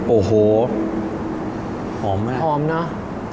โอ้โหออมเนอะออมเนอะ